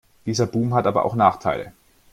Dieser Boom hat aber auch Nachteile.